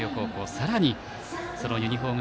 さらにそのユニフォーム